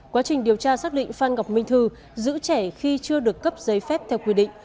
quá trình điều tra xác định phan ngọc minh thư giữ trẻ khi chưa được cấp giấy phép theo quy định